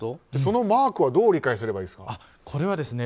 そのマークはどう理解すればいいですか。